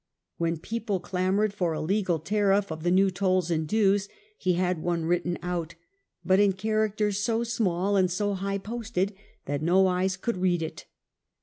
When the people clamoured for a legal tariff of the new tolls and dues, he had one written out, but in characters so small and so high posted that no eyes could read it.